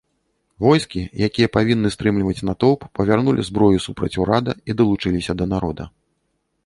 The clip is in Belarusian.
Войскі, якія павінны стрымліваць натоўп, павярнулі зброю супраць урада і далучыліся да народа.